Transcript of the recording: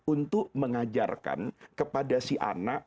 untuk mengajarkan kepada si anak